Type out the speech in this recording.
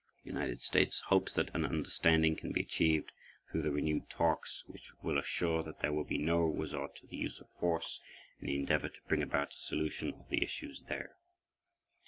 The United States hopes that an understanding can be achieved through the renewed talks which will assure that there will be no resort to the use of force in the endeavor to bring about a solution of the issues there.